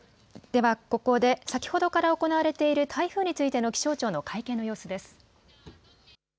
ではここで先ほどから行われている台風についての気象庁の会見の様子です。